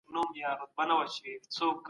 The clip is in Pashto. زموږ هیواد د اقتصادي پرمختګ په حال کي دی.